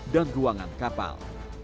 dan ruangan kapal